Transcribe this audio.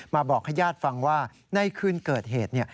บอกให้ญาติฟังว่าในคืนเกิดเหตุ